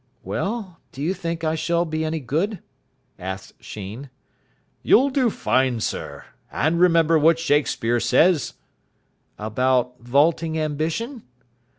"Well, do you think I shall be any good?" asked Sheen. "You'll do fine, sir. But remember what Shakespeare says." "About vaulting ambition?"